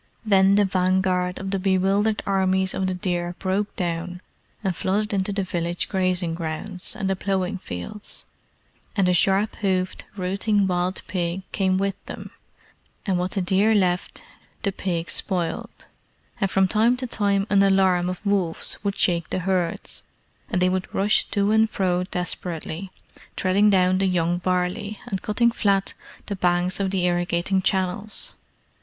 Then the vanguard of the bewildered armies of the deer broke down and flooded into the village grazing grounds and the ploughed fields; and the sharp hoofed, rooting wild pig came with them, and what the deer left the pig spoiled, and from time to time an alarm of wolves would shake the herds, and they would rush to and fro desperately, treading down the young barley, and cutting flat the banks of the irrigating channels.